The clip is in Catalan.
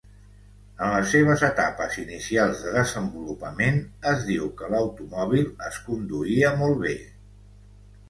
En les seves etapes inicials de desenvolupament, es diu que l'automòbil es conduïa molt bé.